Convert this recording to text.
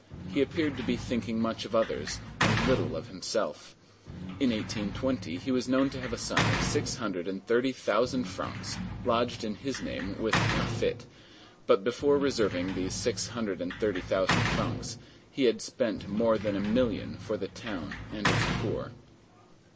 He appeared to be thinking much of others, and little of himself. In 1820 he was known to have a sum of six hundred and thirty thousand francs lodged in his name with Laffitte; but before reserving these six hundred and thirty thousand francs, he had spent more than a million for the town and its poor.